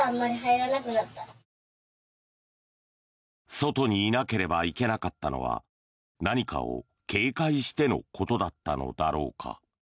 外にいなければいけなかったのは何かを警戒してのことだったのだろうか。